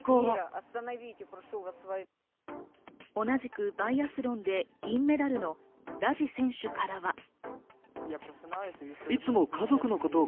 同じくバイアスロンで銀メダルのラジ選手からは。